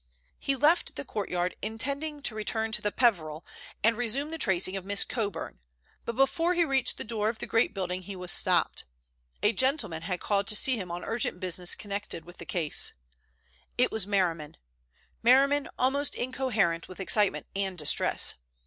He left the courtyard intending to return to the Peveril and resume the tracing of Miss Coburn, but before he reached the door of the great building he was stopped. A gentleman had called to see him on urgent business connected with the case. It was Merriman—Merriman almost incoherent with excitement and distress.